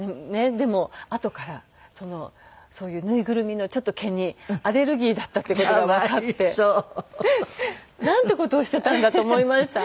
でもあとからそういう縫いぐるみの毛にアレルギーだったっていう事がわかってなんていう事をしていたんだと思いました。